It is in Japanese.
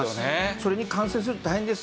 それに感染すると大変です。